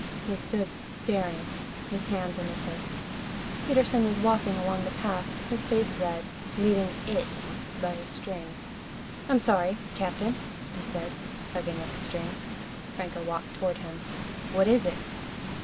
He stood staring, his hands on his hips. Peterson was walking along the path, his face red, leading it by a string. "I'm sorry, Captain," he said, tugging at the string. Franco walked toward him. "What is it?"